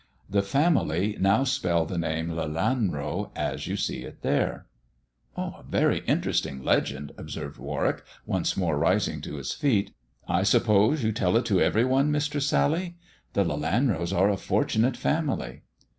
The family now spell the name Lelanro as you see it there." " A very interesting legend," observed Warwick, once more rising to his feet. " I suppose you tell it to every one. Mistress Sally ? The Lelanros are a fortunate family."